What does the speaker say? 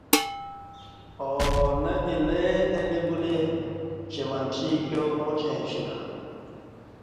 اونہ دی لے الی بلے چہ منچی ایکیوپاچیں اشیلہ